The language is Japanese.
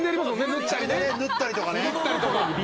縫ったりとかね。